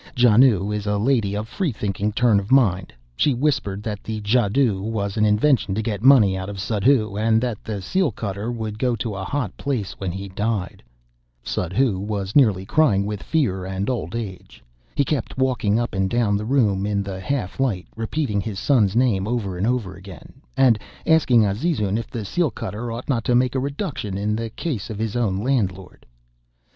Janoo is a lady of a freethinking turn of mind. She whispered that the jadoo was an invention to get money out of Suddhoo, and that the seal cutter would go to a hot place when he died. Suddhoo was nearly crying with fear and old age. He kept walking up and down the room in the half light, repeating his son's name over and over again, and asking Azizun if the seal cutter ought not to make a reduction in the case of his own landlord.